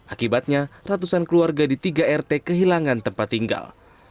akibatnya ratusan keluarga di tiga rt kehilangan tempat tinggal